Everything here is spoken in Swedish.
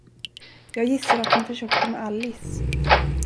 Jag gissar, att hon försökte med Alice.